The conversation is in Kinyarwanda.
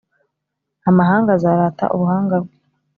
Amahanga azarata ubuhanga bwe,